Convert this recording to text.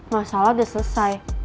masalah udah selesai